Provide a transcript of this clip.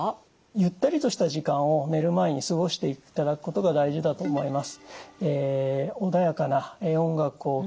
ゆったりとした時間を寝る前に過ごしていただくことが大事だと思います。